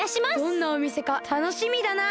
どんなおみせかたのしみだな！